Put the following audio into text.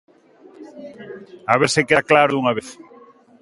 A ver se queda claro dunha vez.